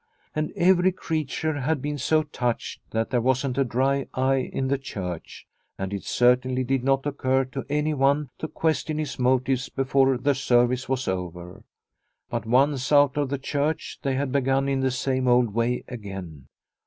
And every creature had been so touched that there wasn't a dry eye in the church, and it certainly did not occur to anyone to question his motives before the service was over. But, once out of the church, they had begun in the same old way again.